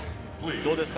どうですか？